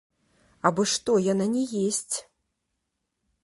Абы што яна не есць.